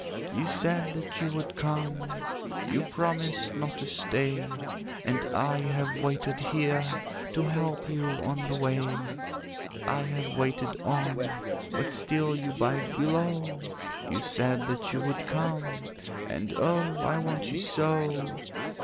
'You said that you would come, You promised not to stay; And I have waited here, To help you on the way. 'I have waited on, But still you bide below; You said that you would come, And oh, I want you so!